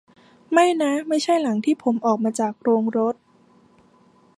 ไม่นะ ไม่ใช่หลังที่ผมออกมาจากโรงรถ